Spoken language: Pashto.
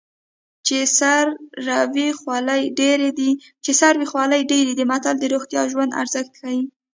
چې سر وي خولۍ ډېرې دي متل د روغتیا او ژوند ارزښت ښيي